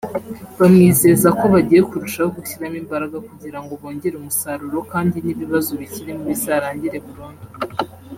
bamwizeza ko bagiye kurushaho gushyiramo imbaraga kugira ngo bongere umusaruro kandi n’ibibazo bikirimo bizarangire burundu